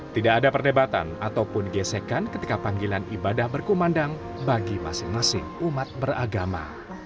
tidak ada perdebatan ataupun gesekan ketika panggilan ibadah berkumandang bagi masing masing umat beragama